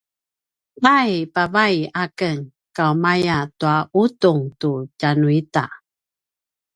pay pavai aken kaumaya tua ’udung tu tjanuita!